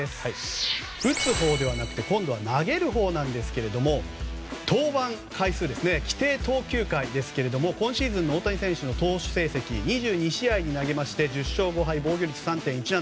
打つほうではなくて今度は投げるほうなんですけども登板回数規定投球回ですが今シーズンの大谷選手の投手成績２２試合１０勝５敗防御率３．１７。